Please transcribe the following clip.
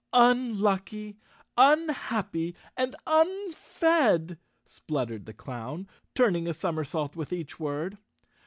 "Unlucky, unhappy and unfed 1" spluttered the clown, turning a somersault with each word.